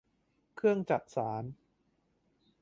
เครื่องจักสาน